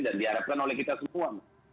dan diharapkan oleh kita semua